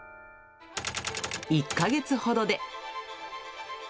１か月ほどで。